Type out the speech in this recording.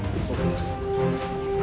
そうです。